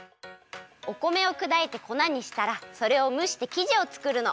お米をくだいてこなにしたらそれをむしてきじをつくるの。